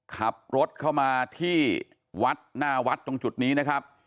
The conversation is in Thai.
ขับรถเข้ามาที่วัดหน้าวัดตรงจุดนี้นะครับ